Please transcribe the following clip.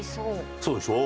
そうでしょう？